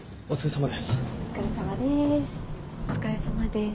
お疲れさまです。